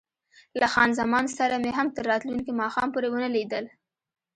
له خان زمان سره مې هم تر راتلونکي ماښام پورې ونه لیدل.